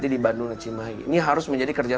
di bandung dan cimahi ini harus menjadi kerja